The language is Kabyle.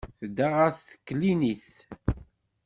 Tedda ɣer teklinit.